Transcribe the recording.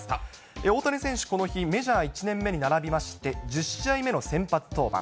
大谷選手、この日、メジャー１年目に並びまして１０試合目の先発登板。